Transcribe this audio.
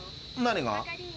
何が？